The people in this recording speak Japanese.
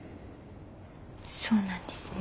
そうなんですね。